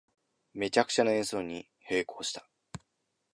めちゃくちゃな演奏に閉口した